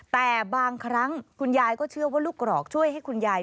แต่บางครั้งคุณยายก็เชื่อว่าลูกกรอกช่วยให้คุณยาย